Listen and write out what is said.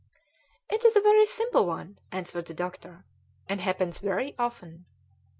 "It is a very simple one," answered the doctor, "and happens very often.